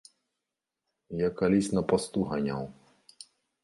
Я калісь на пасту ганяў.